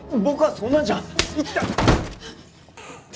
僕はそんなんじゃ。